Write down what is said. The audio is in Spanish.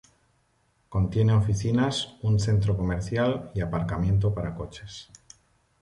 Contiene oficinas, un centro comercial y aparcamiento para coches.